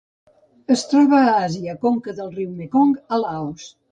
Es troba a Àsia: conca del riu Mekong a Laos.